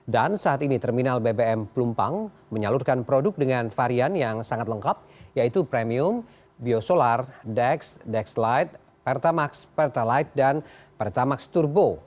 dan saat ini terminal bbm pelumpang menyalurkan produk dengan varian yang sangat lengkap yaitu premium biosolar dex dex light pertamax pertalite dan pertamax turbo